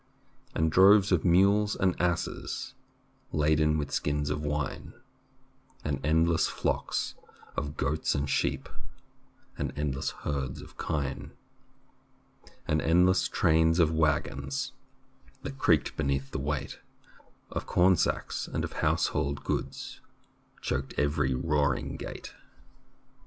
And droves of mules and asses, Laden with skins of wine; THE BOOK OF FAMOUS SIEGES And endless flocks of goats and sheep, And endless herds of kine, And endless trains of waggons That creaked beneath the weight Of corn sacks and of household goods Choked every roaring gate.